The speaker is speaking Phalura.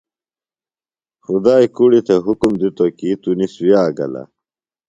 خدائی کُڑیۡ تھےۡ حکم دِتوۡ کی تونِس ویہ گلہ۔